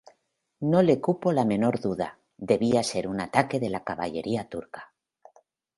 No le cupo la menor duda, debía ser un ataque de la caballería turca.